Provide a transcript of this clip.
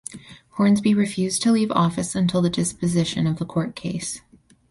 Hornsby refused to leave office until the disposition of the court case.